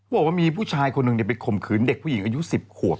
บอกว่ามีผู้ชายคนหนึ่งไปข่มขืนเด็กผู้หญิงอายุ๑๐ขวบ